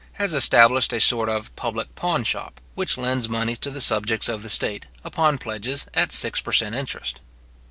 }has established a sort of public pawn shop, which lends money to the subjects of the state, upon pledges, at six per cent. interest.